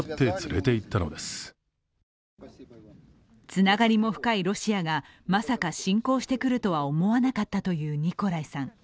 つながりも深いロシアがまさか侵攻してくるとは思わなかったというニコライさん。